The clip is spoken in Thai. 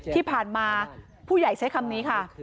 ที่ผ่านมาผู้ใหญ่ใช้คำนี้ค่ะ